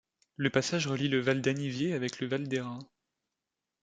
Le passage relie le val d'Anniviers avec le val d'Hérens.